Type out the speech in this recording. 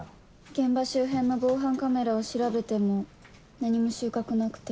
現場周辺の防犯カメラを調べても何も収穫なくて。